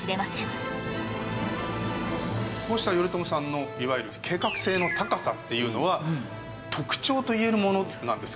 こうした頼朝さんのいわゆる計画性の高さっていうのは特徴といえるものなんですか？